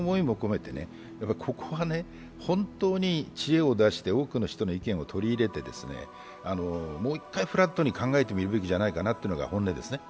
ここは本当に知恵を出して、多くの人の意見を取り入れて、もう一回フラットに考えてみるべきじゃないかというのが本来ですね。